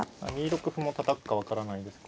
２六歩もたたくか分からないです。